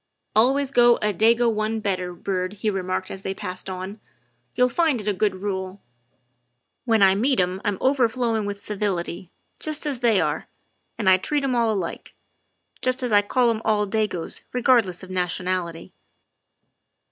"Always go a Dago one better, Byrd, " he remarked as they passed on, " you'll find it a good rule. When I meet 'em I 'm overflowing with civility, just as they are, and I treat 'em all alike, just as I call 'em all Dagos regardless of nationality."